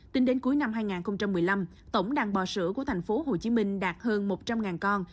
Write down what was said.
tính đến cuối năm hai nghìn một mươi năm tổng đàn bò sữa của thành phố hồ chí minh đạt hơn một trăm linh con